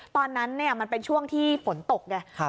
ตอนนั้นเนี่ยมันเป็นช่วงที่ฝนตกเนี่ย